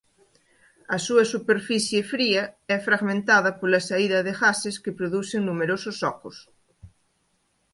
A súa superficie fría é fragmentada pola saída de gases que producen numerosos ocos.